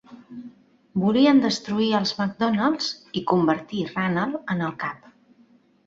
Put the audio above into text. Volien destruir els MacDonalds i convertir Ranald en el cap.